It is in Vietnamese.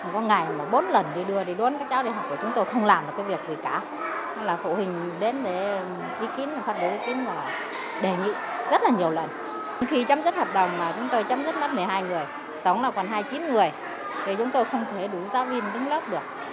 tổng là còn hai mươi chín người thì chúng tôi không thể đủ giáo viên đứng lớp được